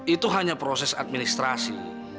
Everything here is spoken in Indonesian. itu hanya proses administrasi